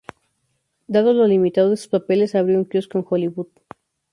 Dado lo limitado de sus papeles, abrió un kiosko en Hollywood.